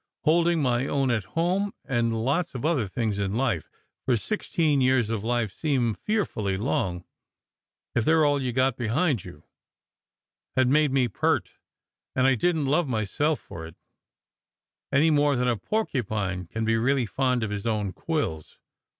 Holding my own at home, and lots of other things in life (for sixteen years of life seem fearfully long if they re all you ve got behind you), had made me pert, and I didn t love myself for it, any more than a porcupine can be really fond of his own quills.